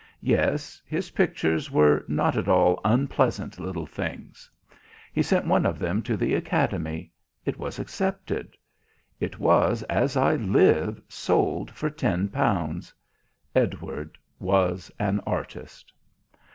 Yes, his pictures were not at all unpleasant little things. He sent one of them to the Academy. It was accepted. It was, as I live, sold for ten pounds. Edward was an artist.